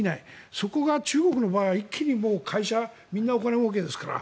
そこが中国の場合は一気に会社みんなお金もうけですから。